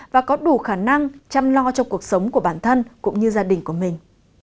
và có đủ khả năng chăm lo cho cuộc sống của bản thân cũng như gia đình của mình